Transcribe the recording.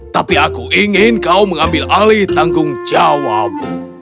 tapi aku ingin kau mengambil alih tanggung jawab